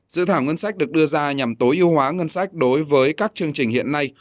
dự thảo ngân sách được đưa ra nhằm tối ưu hóa ngân sách đối với các chương trình hiện nay